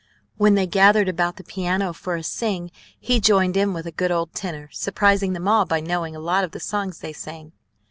When they gathered about the piano for a sing, he joined in with a good old tenor, surprising them all by knowing a lot of the songs they sang.